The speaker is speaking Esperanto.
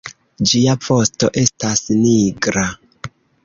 Ĝia vosto estas nigra.